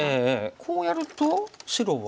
こうやると白は。